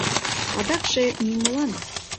Адакше нимолан.